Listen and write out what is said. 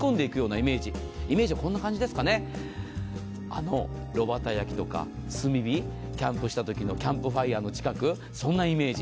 イメージはこんな感じですかね、炉端焼きとか炭火、キャンプしたときのキャンプファイヤーの近く、そんなイメージ。